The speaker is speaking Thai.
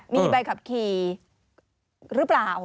มีใบขับขี่หรือเปล่า